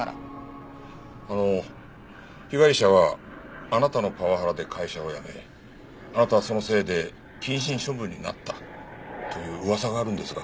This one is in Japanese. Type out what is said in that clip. あの被害者はあなたのパワハラで会社を辞めあなたはそのせいで謹慎処分になったという噂があるんですが。